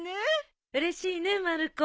うれしいねまる子。